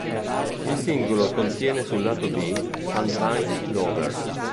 Il singolo contiene sul lato B "Sometimes Lovers".